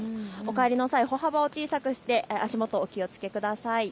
お帰りの際、歩幅を小さくして足元にお気をつけください。